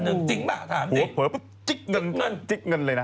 จิงบ้ะหัวผัวโดยทรีย์จิ๊กเงินเลยนะ